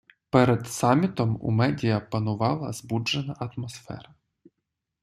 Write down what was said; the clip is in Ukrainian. Перед самітом у медіа панувала збуджена атмосфера.